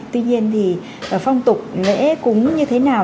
tuy nhiên phong tục lễ cúng như thế nào